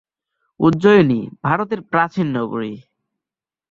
উজ্জয়িনী ভারতের প্রাচীন নগরী।